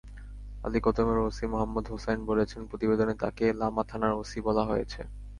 আলীকদমের OC Mohammad Hossain বলেছেন, প্রতিবেদনে তাঁকে লামা থানার ওসি বলা হয়েছে।